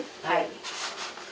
はい。